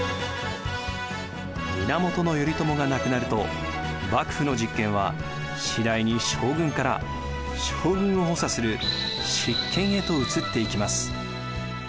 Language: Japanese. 源頼朝が亡くなると幕府の実権は次第に将軍から将軍を補佐する執権へと移っていきます。